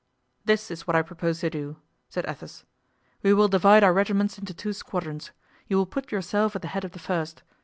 "This is what I propose to do," said Athos. "We will divide our regiments into two squadrons. You will put yourself at the head of the first.